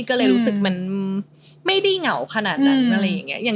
ก็เลยรู้สึกมันไม่ได้เหงาขนาดนั้น